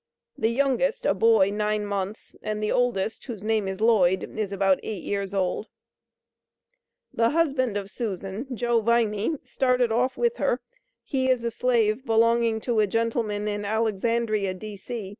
(the youngest a boy 9 months and the oldest whose name is Lloyd is about 8 years old) The husband of Susan (Joe Viney) started off with her, he is a slave, belonging to a gentleman in Alexandria D.C.